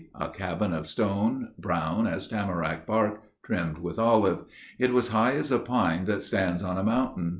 A cabin Of stone, brown as tamarack bark, trimmed with olive. It was high as a pine that stands on a mountain.